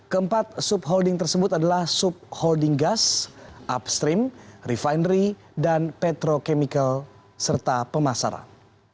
keempat subholding tersebut adalah subholding gas upstream refinery dan petrochemical serta pemasaran